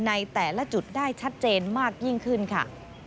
ในแต่ละจุดได้ชัดเจนมากยิ่งขึ้นค่ะ